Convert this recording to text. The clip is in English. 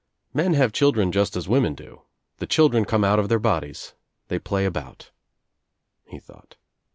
"Men have children just as women do. The children come out of their bodies. They play about," he thought.